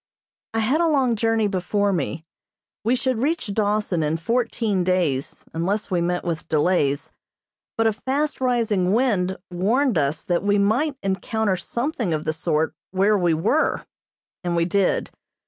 I had a long journey before me. We should reach Dawson in fourteen days unless we met with delays, but a fast rising wind warned us that we might encounter something of the sort where we were, and we did.